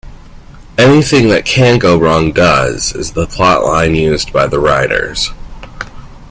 'Anything that can go wrong, does' is the plotline used by the writers.